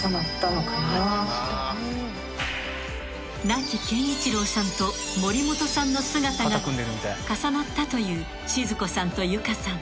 ［亡き健一郎さんと森本さんの姿が重なったという静子さんとゆかさん］